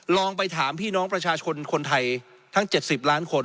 ลองไปถามพี่น้องประชาชนคนไทยทั้ง๗๐ล้านคน